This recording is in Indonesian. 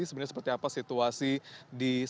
sebenarnya seperti apa situasi di sana